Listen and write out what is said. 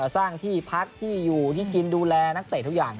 สร้างที่พักที่อยู่ที่กินดูแลนักเตะทุกอย่าง